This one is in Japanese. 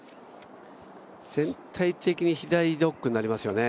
全体的に左ドッグになりますよね。